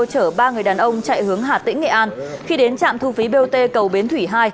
chở ba người đàn ông chạy hướng hà tĩnh nghệ an khi đến trạm thu phí bot cầu bến thủy hai